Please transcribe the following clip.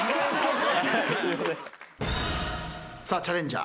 さあチャレンジャー